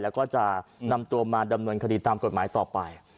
แล้วก็จะนำตัวมาดำเนินคดีตามกฎหมายต่อไป